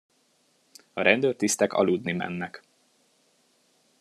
A rendőrtisztek aludni mennek.